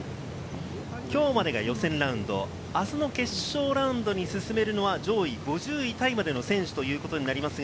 きょうまでが予選ラウンド、あすの決勝ラウンドに進めるのは上位５０位タイまでの選手ということになります。